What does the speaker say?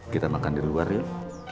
kita makan di luar yuk